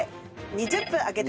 ２０分。